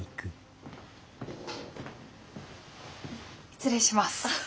失礼します。